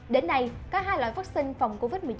đến nay cả hai loại vaccine phòng covid một mươi chín